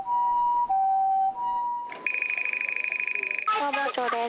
消防庁です。